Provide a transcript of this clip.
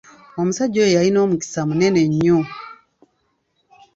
Omusajja oyo yalina omukisa munene nnyo.